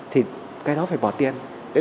thì cái đó phải bỏ tiền